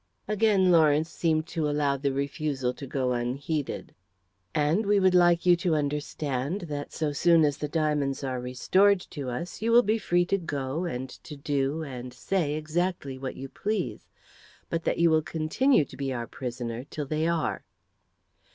Again Lawrence seemed to allow the refusal to go unheeded. "And we would like you to understand that, so soon as the diamonds are restored to us, you will be free to go, and to do, and say exactly what you please, but that you will continue to be our prisoner till they are."